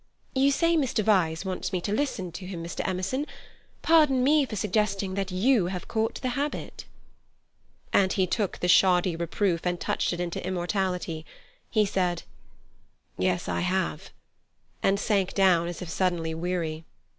"You say Mr. Vyse wants me to listen to him, Mr. Emerson. Pardon me for suggesting that you have caught the habit." And he took the shoddy reproof and touched it into immortality. He said: "Yes, I have," and sank down as if suddenly weary.